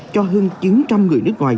cho hơn chín trăm linh người nước ngoài